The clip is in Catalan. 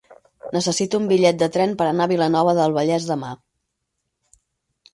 Necessito un bitllet de tren per anar a Vilanova del Vallès demà.